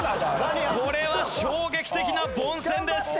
これは衝撃的な凡戦です。